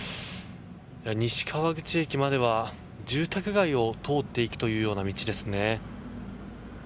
西川口駅までは住宅街を通っていくというような道ですね。